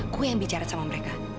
gue yang bicara sama mereka